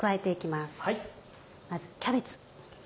まずキャベツ。